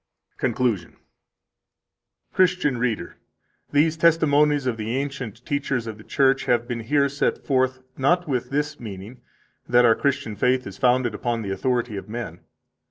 CONCLUSION 181 Christian reader, these testimonies of the ancient teachers of the Church have been here set forth, not with this meaning that our Christian faith is founded upon the authority of men.